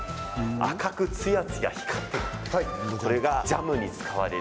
赤く、つやつや光っている。